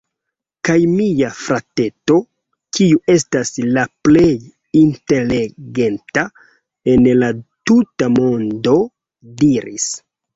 Kaj mia frateto, kiu estas la plej inteligenta en la tuta mondo, diris: